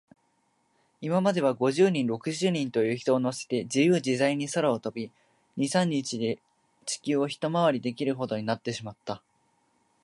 いまでは、五十人、六十人という人をのせて、じゆうじざいに空を飛び、二、三日で地球をひとまわりできるほどになってしまった。